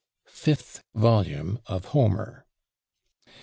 fifth volume of HOMER.